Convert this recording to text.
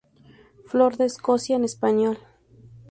Flor de Escocia, en español.